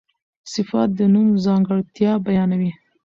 صفت د نوم ځانګړتیا بیانوي.